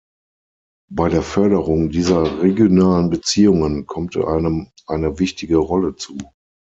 Bei der Förderung dieser regionalen Beziehungen kommt einem eine wichtige Rolle zu.